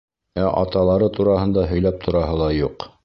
Ә аталары тураһында һөйләп тораһы ла юҡ.